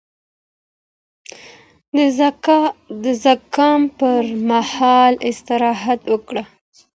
د زکام پر مهال استراحت وکړه